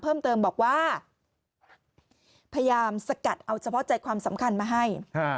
เพิ่มเติมบอกว่าพยายามสกัดเอาเฉพาะใจความสำคัญมาให้